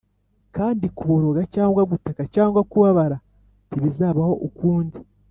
kandi kuboroga cyangwa gutaka cyangwa kubabara ntibizabaho ukundi